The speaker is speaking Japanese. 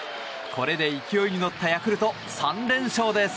これで勢いに乗ったヤクルト３連勝です！